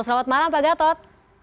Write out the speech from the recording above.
selamat malam pak gatot